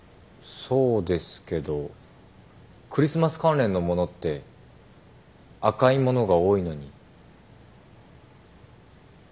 そうですけどクリスマス関連の物って赤い物が多いのに。